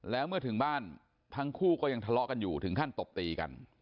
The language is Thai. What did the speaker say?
แล้วเมื่อถึงบ้านทั้งคู่ก็ยังทะเลาะกันอยู่ถึงขั้นตบตีกัน